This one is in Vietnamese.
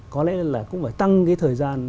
có lẽ là cũng phải tăng cái thời gian